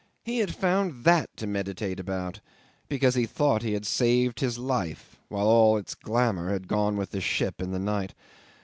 He had found that to meditate about because he thought he had saved his life, while all its glamour had gone with the ship in the night.